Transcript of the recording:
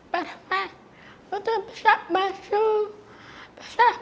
pertama bisa meminta bisa memanfaatkan bisa menolak